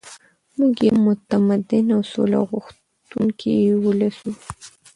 موږ یو متمدن او سوله غوښتونکی ولس یو.